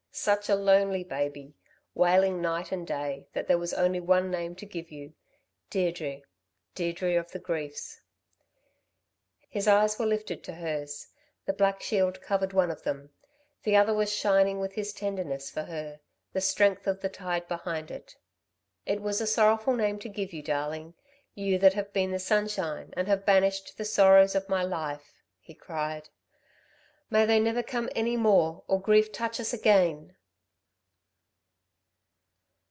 "Such a lonely baby, wailing night and day, that there was only one name to give you, Deirdre Deirdre of the griefs." His eyes were lifted to hers. The black shield covered one of them; the other was shining with his tenderness for her, the strength of the tide behind it. "It was a sorrowful name to give you, darling, you that have been the sunshine, and have banished the sorrows of my life," he cried. "May they never come any more or grief touch us again!"